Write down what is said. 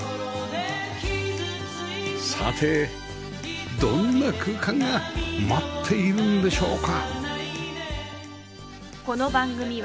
さてどんな空間が待っているんでしょうか？